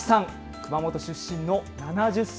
熊本出身の７０歳。